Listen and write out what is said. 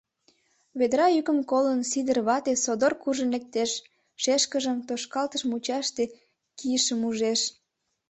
Ведра йӱкым колын, Сидыр вате содор куржын лектеш, шешкыжым тошкалтыш мучаште кийышым ужеш.